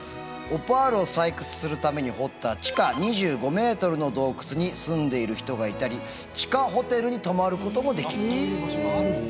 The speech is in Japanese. オパールを採掘するために掘った地下２５ｍの洞窟に住んでいる人がいたり地下ホテルに泊まることもできるという。